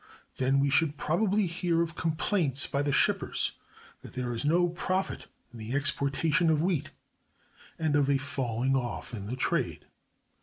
Then we should probably hear of complaints by the shippers that there is no profit in the exportation of wheat, and of a falling off in the trade.